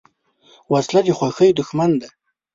وسله د خوښۍ دښمن ده